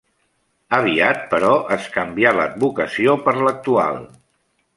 Aviat, però, es canvià l'advocació per l'actual.